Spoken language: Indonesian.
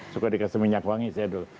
suka dikasih minyak wangi saya dulu